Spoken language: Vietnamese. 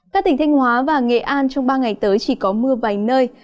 các tỉnh thanh hóa và nghệ an trong ba ngày tới chỉ có mưa vài nơi